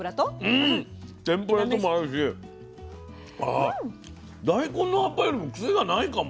うん天ぷらとも合うし大根の葉っぱよりも癖がないかも。